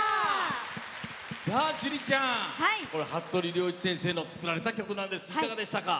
趣里ちゃん服部良一先生の作られた曲いかがでしたか？